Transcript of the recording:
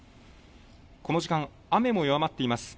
この時間、雨も弱まっています。